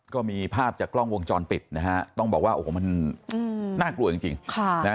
ก็มีภาพจากกล้องวงจรปิดนะฮะต้องบอกว่าโอ้โหมันน่ากลัวจริงจริงค่ะนะฮะ